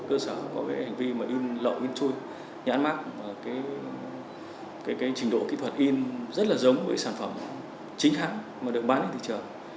có cái hành vi mà in lợi in chui nhãn mắc cái trình độ kỹ thuật in rất là giống với sản phẩm chính hãng mà được bán trên thị trường